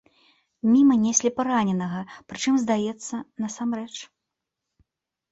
Міма неслі параненага, прычым, здаецца, насамрэч.